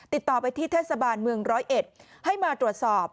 ติดต่อไปที่เทศบาลเมืองร้อยเอ็ดให้มาตรวจสอบ